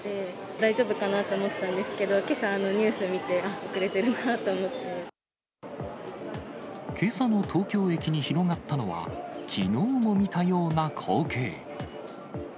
大丈夫かなと思ってたんですけど、けさのニュース見て、あっ、けさの東京駅に広がったのは、きのうも見たような光景。